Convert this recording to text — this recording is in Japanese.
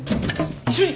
主任！